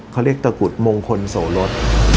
เขาเรียกตะกุดมงคลโสรส